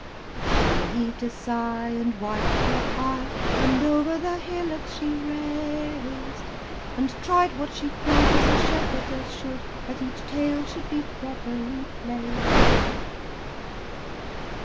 She heaved a sigh, and wiped her eye, And over the hillocks she raced; And tried what she could, as a shepherdess should, That each tail should be properly placed.